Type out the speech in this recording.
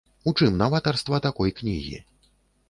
У чым наватарства такой кнігі?